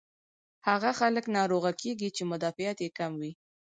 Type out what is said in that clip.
هاغه خلک ناروغه کيږي چې مدافعت ئې کم وي